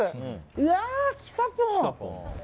うわー、きさポン。